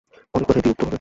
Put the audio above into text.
অনেক কথাই দ্বিরুক্ত হবে।